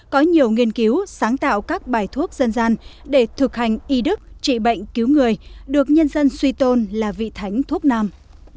có nhiều nghiên cứu sáng tạo các bài thuốc dân gian để thực hành y đức trị bệnh cứu người được nhân dân suy tôn là vị thánh thuốc nam